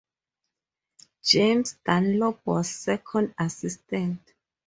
James Dunlop was second assistant.